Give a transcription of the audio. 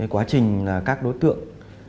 quá trình các đối tượng